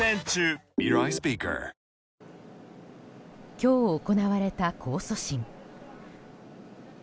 今日行われた控訴審。